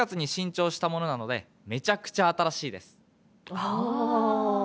ああ！